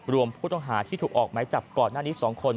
รวมผู้ต้องหาที่ถูกออกไม้จับก่อนหน้านี้๒คน